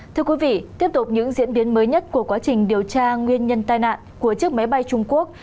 thưa quý vị tiếp tục những diễn biến mới nhất của quá trình điều tra nguyên nhân tai nạn của chiếc máy bay trung quốc